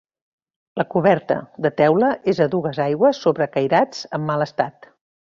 La coberta, de teula, és a dues aigües sobre cairats en mal estat.